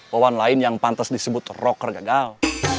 wawan lain yang pantes disebut rocker gagal